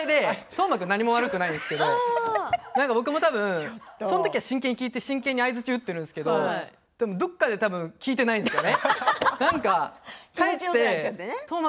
斗真君は何も悪くないんですけど僕もたぶんそういうとき真剣に聞いて真剣に相づちを打っているんですけどどこかでたぶん聞いていないんですよね。